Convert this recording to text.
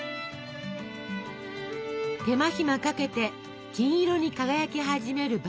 手間暇かけて金色に輝き始める麦芽あめ。